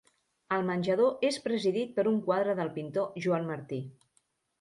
El menjador és presidit per un quadre del pintor Joan Martí.